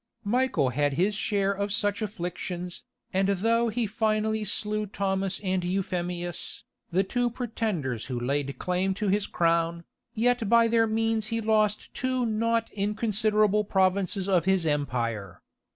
Michael had his share of such afflictions, and though he finally slew Thomas and Euphemius, the two pretenders who laid claim to his crown, yet by their means he lost two not inconsiderable provinces of his empire.